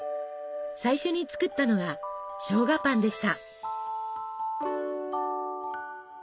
最初に作ったのがしょうがパンでした。